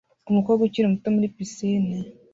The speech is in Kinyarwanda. Umukobwa ukiri muto muri pisine